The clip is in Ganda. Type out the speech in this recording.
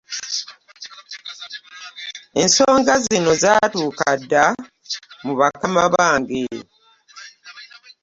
Ensonga zange z'atuuka dda mu mubakama bange.